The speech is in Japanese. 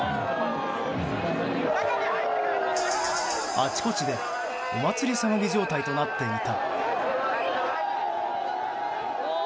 あちこちでお祭り騒ぎ状態となっていた。